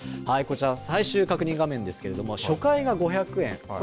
こちら最終確認画面ですけれども初回が５００円。